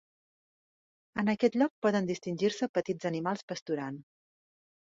En aquest lloc poden distingir-se petits animals pasturant.